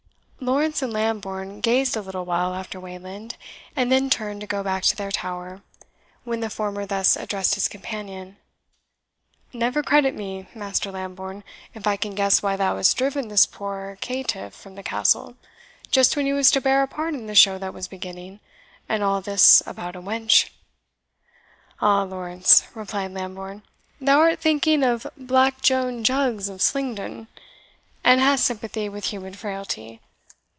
Lawrence and Lambourne gazed a little while after Wayland, and then turned to go back to their tower, when the former thus addressed his companion: "Never credit me, Master Lambourne, if I can guess why thou hast driven this poor caitiff from the Castle, just when he was to bear a part in the show that was beginning, and all this about a wench." "Ah, Lawrence," replied Lambourne, "thou art thinking of Black Joan Jugges of Slingdon, and hast sympathy with human frailty.